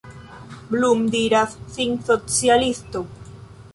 Blum diras sin socialisto.